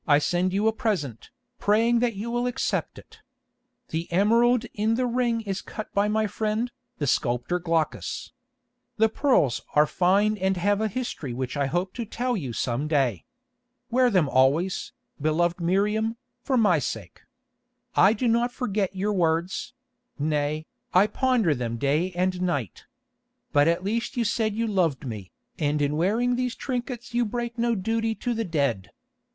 "I send you a present, praying that you will accept it. The emerald in the ring is cut by my friend, the sculptor Glaucus. The pearls are fine and have a history which I hope to tell you some day. Wear them always, beloved Miriam, for my sake. I do not forget your words; nay, I ponder them day and night. But at least you said you loved me, and in wearing these trinkets you break no duty to the dead.